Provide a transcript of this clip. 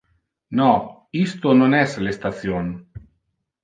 No, isto non es le station.